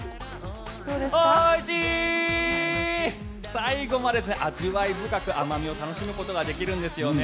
最後まで味わい深く甘味を楽しむことができるんですよね。